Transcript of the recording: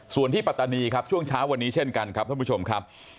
ส่วนที่ปัตตานีครับช่วงเช้าวันนี้เช่นกันครับท่านผู้ชมครับ